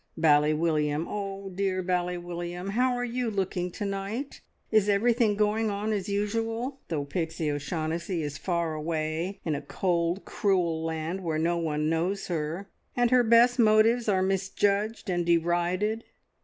Bally William, oh, dear Bally William, how are you looking to night? Is everything going on as usual, though Pixie O'Shaughnessy is far away in a cold, cruel land where no one knows her, and her best motives are misjudged and derided?